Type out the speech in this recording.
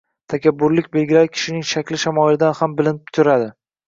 Takabburlik, belgilari kishining shakli shamoilidan ham bilinib turadi